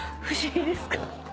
不思議ですか？